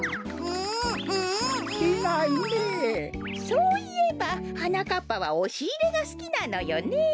そういえばはなかっぱはおしいれがすきなのよねえ。